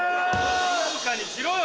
静かにしろよ！